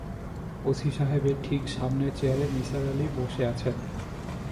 OC সাহেবের ঠিক সামনের চেয়ারে নিসার আলি বসে আছেন।